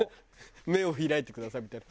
「目を開いてください」みたいな。